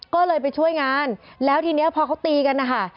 ก็เลยไปช่วยงานแล้วทีนี้พอเขาตีกันนะคะ